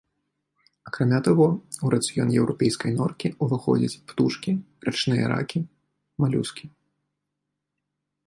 Акрамя таго, у рацыён еўрапейскай норкі ўваходзяць птушкі, рачныя ракі, малюскі.